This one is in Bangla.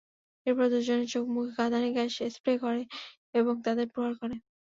এরপর দুজনের চোখে-মুখে কাঁদানে গ্যাস স্প্রে করে এবং তাঁদের প্রহার করে।